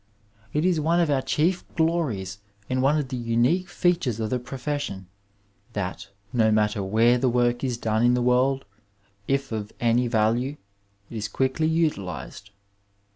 It is one of our chief glories and one of the unique features of the profession that, no matter where the work is done in the world, if of any value, it is quickly utilized.